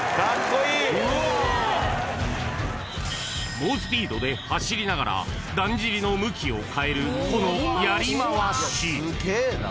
［猛スピードで走りながらだんじりの向きを変えるこの］